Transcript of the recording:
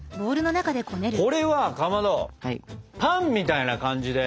これはかまどパンみたいな感じで？